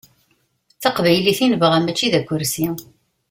D taqbaylit i nebɣa mačči d akersi.